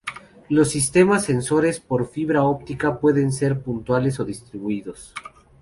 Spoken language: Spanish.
Los sistemas sensores por fibra óptica pueden ser puntuales o distribuidos.